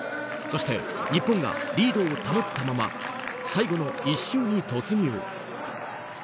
そして日本がリードを保ったまま最後の１周に突入。